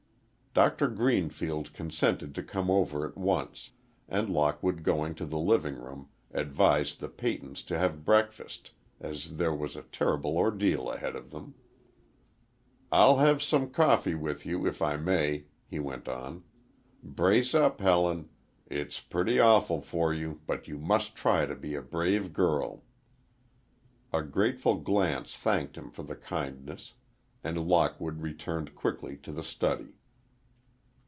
Doctor Greenfield consented to come over at once, and Lockwood going to the living room, advised the Peytons to have breakfast, as there was a terrible ordeal ahead of them. "I'll have some coffee with you, if I may," he went on. "Brace up, Helen, it's pretty awful for you, but you must try to be a brave girl." A grateful glance thanked him for the kindness, and Lockwood returned quickly to the study.